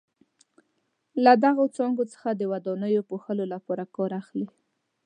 له دغو څنګلونو څخه د ودانیو پوښلو لپاره کار اخلي.